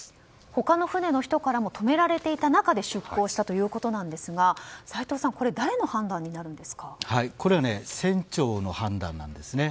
他の船の人からも止められていた中で出港したということですが斎藤さん、これはこれ、船長の判断なんですね。